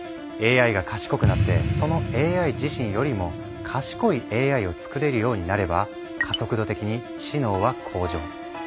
ＡＩが賢くなってそのＡＩ自身よりも賢いＡＩを作れるようになれば加速度的に知能は向上。